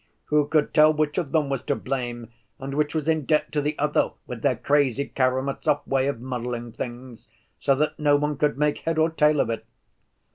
"Who could tell which of them was to blame, and which was in debt to the other, with their crazy Karamazov way of muddling things so that no one could make head or tail of it?"